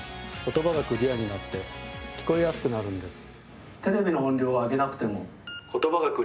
「言葉がクリアになって聴こえやすくなるんです」